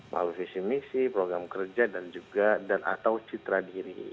melalui visi misi program kerja dan juga dan atau citra diri